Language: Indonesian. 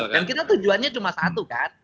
dan kita tujuannya cuma satu kan